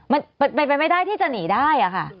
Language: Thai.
มันเป็นไปไม่ได้ที่จะหนีได้อะค่ะ